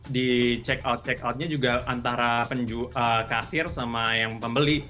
di check out check out nya juga antara kasir sama yang pembeli